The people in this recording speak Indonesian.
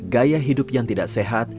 gaya hidup yang tidak sehat